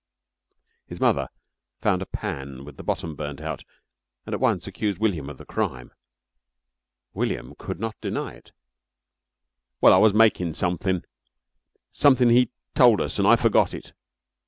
His mother found a pan with the bottom burnt out and at once accused William of the crime. William could not deny it. "Well, I was makin' sumthin', sumthin' he'd told us an' I forgot it.